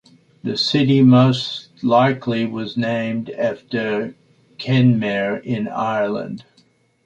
The city most likely was named after Kenmare, in Ireland.